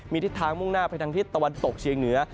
มีทิศทางมุ่งหน้าไปทางทิศตะวันตกเชียงเหนือ